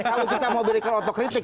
kalau kita mau berikan otokritik